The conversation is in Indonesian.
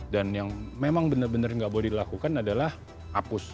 dan yang memang bener bener gak boleh dilakukan adalah hapus